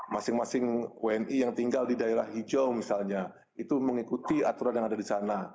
masing masing wni yang tinggal di daerah hijau misalnya itu mengikuti aturan yang ada di sana